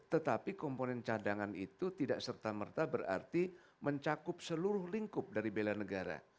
tetapi komponen cadangan itu tidak serta merta berarti mencakup seluruh lingkup dari bela negara